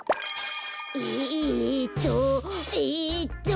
えっとえっと。